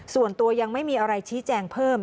ส่วนตัวยังไม่มีอะไรชี้แจงเพิ่ม